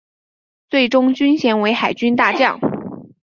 最终军阶为海军大将。